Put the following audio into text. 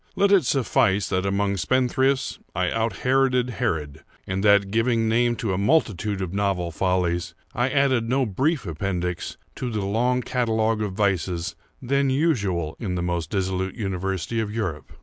Let it suffice, that among spendthrifts I out Heroded Herod, and that, giving name to a multitude of novel follies, I added no brief appendix to the long catalogue of vices then usual in the most dissolute university of Europe.